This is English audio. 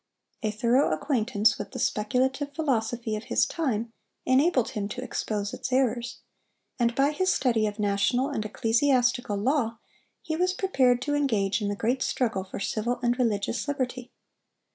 A thorough acquaintance with the speculative philosophy of his time enabled him to expose its errors; and by his study of national and ecclesiastical law he was prepared to engage in the great struggle for civil and religious liberty.